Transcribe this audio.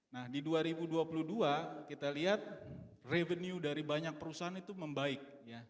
nah di dua ribu dua puluh dua kita lihat revenue dari banyak perusahaan itu membaik